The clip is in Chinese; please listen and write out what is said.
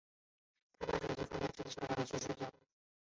她把手机放在桌子上，然后睡觉去了。